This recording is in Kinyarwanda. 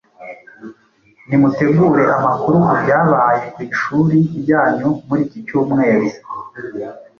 Nimutegure amakuru ku byabaye ku ishuri ryanyu muri iki cyumweru,